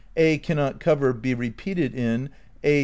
A cannot eoYer (be repeated in) a?